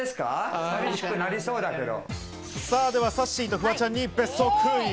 では、さっしーとフワちゃんに別荘クイズ。